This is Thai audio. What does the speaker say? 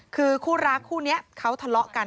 คือคู่รักคู่นี้เขาทะเลาะกัน